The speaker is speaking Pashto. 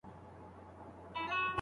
که ته د کلمو په تورو پوه سې.